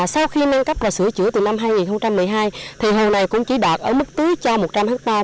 sau khi nâng cấp và sửa chữa từ năm hai nghìn một mươi hai thì hồ này cũng chỉ đạt ở mức tưới cho một trăm linh ha